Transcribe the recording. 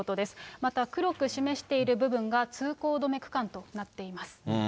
また黒く示している部分が、通行止め区間となっています。